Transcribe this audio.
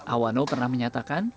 awano pernah menyatakan